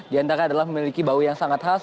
diantara adalah memiliki bau yang sangat khas